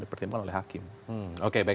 dipertimbangkan oleh hakim oke baik